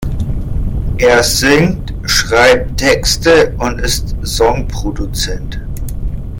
Er singt, schreibt Texte und ist Song-Produzent.